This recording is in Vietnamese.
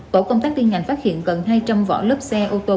tổ công tác tiên nhành phát hiện gần hai trăm linh vỏ lớp xe ô tô